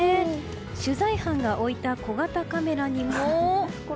取材班が置いた小型カメラにも。